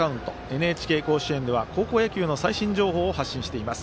ＮＨＫ甲子園では高校野球の最新情報を発信しています。